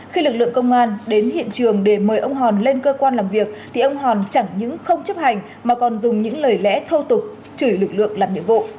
khi lực lượng công an đến hiện trường để mời ông hòn lên cơ quan làm việc thì ông hòn chẳng những không chấp hành mà còn dùng những lời lẽ thô tục chửi lực lượng làm nhiệm vụ